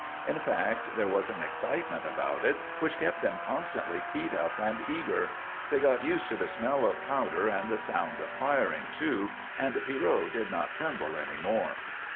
In fact, there was an excitement about it which kept them constantly keyed up and eager. They got used to the smell of powder and the sound of firing, too, and Pierrot did not tremble any more.